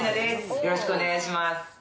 よろしくお願いします。